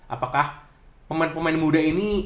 apakah pemain pemain muda ini